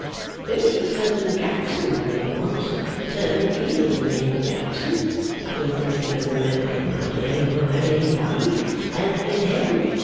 There was a certain Jackson here once, a turnkey of the name of Jackson (I don't think you can remember him, my dear, you were very young), and hem!